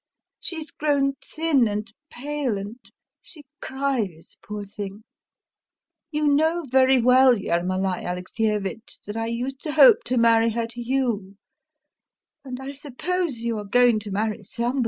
She's grown thin and pale, and she cries, poor thing.... You know very well, Ermolai Alexeyevitch, that I used to hope to marry her to you, and I suppose you are going to marry somebody?